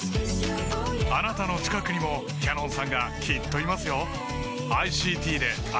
あなたの近くにもＣａｎｏｎさんがきっといますよ